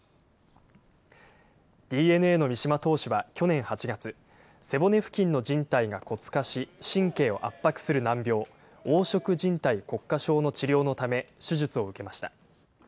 ＤｅＮＡの三嶋投手は去年８月背骨付近のじん帯が骨化し神経を圧迫する難病黄色じん帯骨化症の治療のため手術を受けました。